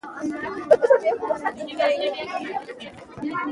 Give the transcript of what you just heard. په افغانستان کې د انګورو تاریخ خورا اوږد دی.